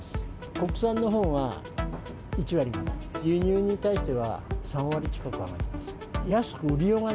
国産のほうが１割、輸入に対しては３割近く上がってます。